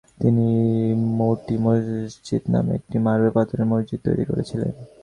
তিনি মোতি মসজিদ নামে একটি মার্বেল পাথরের মসজিদ তৈরি করেছিলেন।